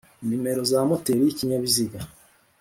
nimero za moteri y’ikinyabiziga